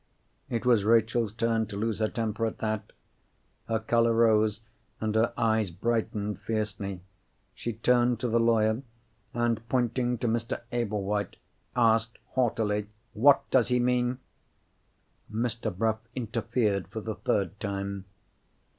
It was Rachel's turn to lose her temper at that. Her colour rose, and her eyes brightened fiercely. She turned to the lawyer, and, pointing to Mr. Ablewhite, asked haughtily, "What does he mean?" Mr. Bruff interfered for the third time.